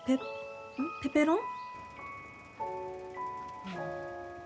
ペペペロン？